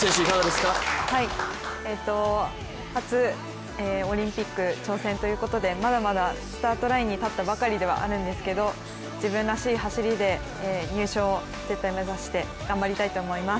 初オリンピック挑戦ということでまだまだスタートラインに立ったばかりではあるんですけど自分らしい走りで入賞を絶対目指して頑張りたいと思います。